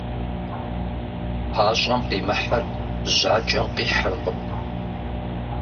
Пащӏэм къимыхьыр жьакӏэм къихьыркъым.